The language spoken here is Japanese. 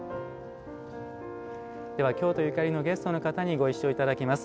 では、京都ゆかりのゲストの方にご一緒いただきます。